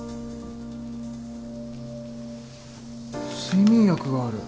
睡眠薬がある。